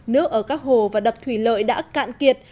nước ở các hồ và đập thủy lợi đã cạn kiệt